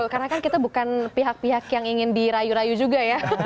karena kan kita bukan pihak pihak yang ingin dirayu rayu juga ya